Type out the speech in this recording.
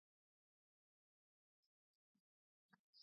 愛媛県松野町